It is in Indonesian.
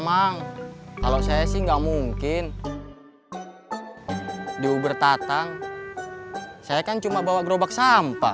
emang kalau saya sih enggak mungkin di uber tatang saya kan cuma bawa gerobak sampah